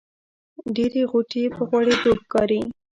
ډېرې غوټۍ په غوړېدو ښکاري.